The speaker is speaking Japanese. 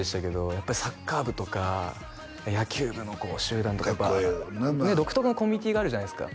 やっぱりサッカー部とか野球部の集団とかねえ独特のコミュニティーがあるじゃないですか